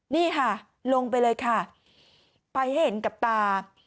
นี่ค่ะลงไปเลยค่ะไปให้เห็นกับตา